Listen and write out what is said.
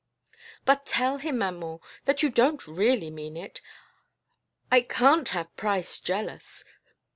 "But tell him, maman, that you don't really mean it. I can't have Price jealous.